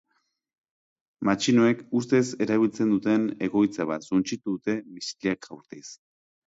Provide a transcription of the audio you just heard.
Matxinoek ustez erabiltzen duten egoitza bat suntsitu dute misilak jaurtiz.